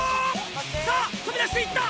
さぁ飛び出していった！